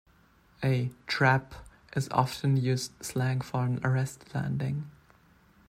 A "trap" is often-used slang for an arrested landing.